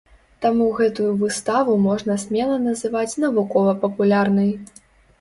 Таму гэтую выставу можна смела назваць навукова-папулярнай.